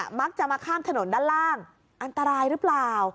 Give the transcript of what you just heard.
มักจะมาข้ามถนนด้านล่างอันตรายหรือเปล่า